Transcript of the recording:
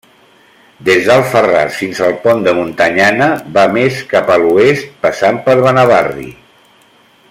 Des d'Alfarràs fins al Pont de Montanyana va més cap a l'oest, passant per Benavarri.